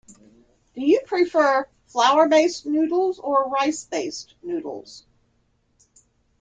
Do you prefer flour based noodles or rice based noodles?